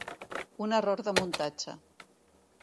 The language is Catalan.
Un error de muntatge.